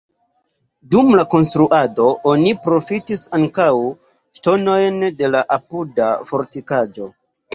Dum la konstruado oni profitis ankaŭ ŝtonojn de la apuda fortikaĵo.